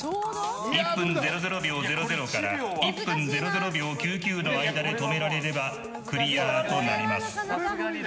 １分００秒００から１分００秒９９の間で止められれば、クリアとなります。